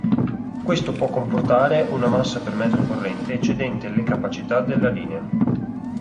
Questo può comportare una massa per metro corrente eccedente le capacità della linea.